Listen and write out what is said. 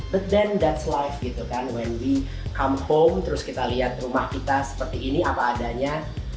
but then that's life gitu kan when we come home terus kita lihat rumah kita seperti ini apa adanya